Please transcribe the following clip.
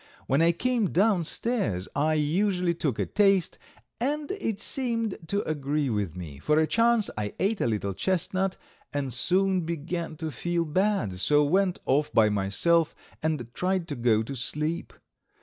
When I came down stairs I usually took a taste, and it seemed to agree with me. For a change I ate a little chestnut, and soon began to feel bad, so went off by myself and tried to go to sleep.